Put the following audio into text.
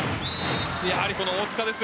やはり、この大塚です。